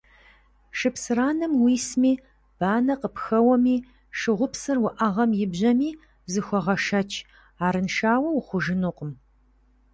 - Шыпсыранэм уисми, банэ къыпхэуэми, шыгъушыпсыр уӏэгъэм ибжьэми, зыхуэгъэшэч, арыншауэ ухъужынукъым.